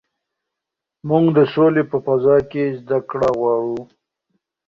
موږ د سولې په فضا کې زده کړه غواړو.